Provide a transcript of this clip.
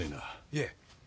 いえ。